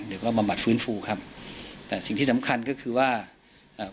เดี๋ยวก็บำบัดฟื้นฟูครับแต่สิ่งที่สำคัญก็คือว่าอ่า